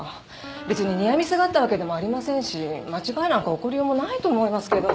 別にニアミスがあったわけでもありませんし間違いなんか起こりようもないと思いますけど。